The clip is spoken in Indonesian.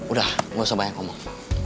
udah gak usah banyak omong